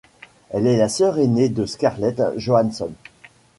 Elle est la sœur ainée de Scarlett Johansson.